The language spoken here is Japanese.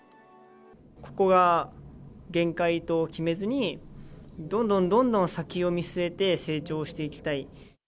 ここが限界と決めずに、どんどんどんどん先を見据えて、成長していきたい。